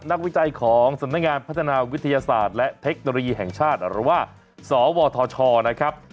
วิจัยของสำนักงานพัฒนาวิทยาศาสตร์และเทคโนโลยีแห่งชาติหรือว่าสวทชนะครับ